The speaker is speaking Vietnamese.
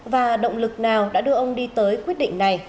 và động lực nào đã đưa ông đi tới quyết định này